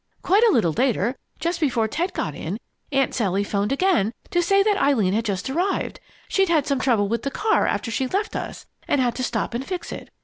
Quite a little later, just before Ted got in, Aunt Sally 'phoned again to say that Eileen had just arrived. She'd had some trouble with the car after she left us and had to stop and fix it.